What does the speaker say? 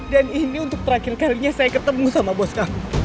dan ini untuk terakhir kalinya saya ketemu sama bos kamu